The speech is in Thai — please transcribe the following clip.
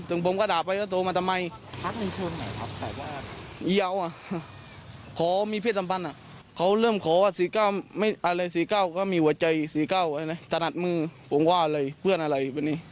ถึงผมก็ด่าไปแล้วโทรมาทำไม